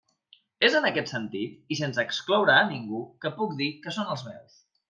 És en aquest sentit, i sense excloure a ningú, que puc dir que són els meus.